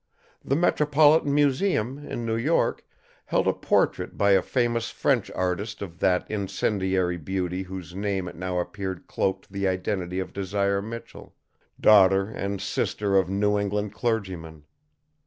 The Metropolitan Museum, in New York, held a portrait by a famous French artist of that incendiary beauty whose name it now appeared cloaked the identity of Desire Michell, daughter and sister of New England clergymen.